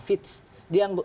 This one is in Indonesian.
pak muhammad haq